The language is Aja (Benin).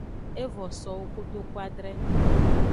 Evo sowo kotuadre.